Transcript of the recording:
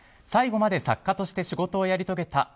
最後まで作家として仕事をやり遂げた。